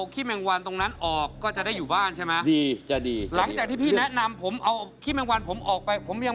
ขี้แมงวันขี้แมงวัน